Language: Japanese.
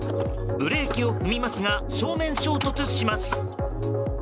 ブレーキを踏みますが正面衝突します。